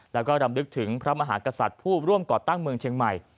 แล้วก็รำลึกถึงพระมหากษัตริย์ผู้ร่วมก่อตั้งเมืองเชียงใหม่